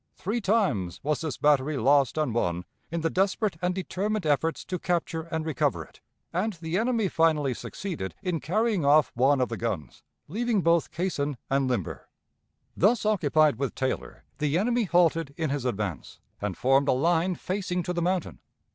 Three times was this battery lost and won in the desperate and determined efforts to capture and recover it, and the enemy finally succeeded in carrying off one of the guns, leaving both caisson and limber. Thus occupied with Taylor, the enemy halted in his advance, and formed a line facing to the mountain.